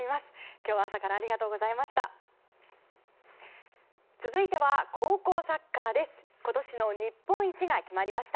今日は朝からありがとうございました。